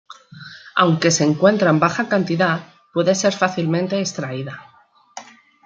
Aunque se encuentra en baja cantidad, puede ser fácilmente extraída.